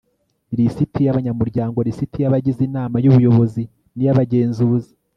lisiti y'abanyamuryango, lisiti y'abagize inama y'ubuyobozi n'iy'abagenzuzi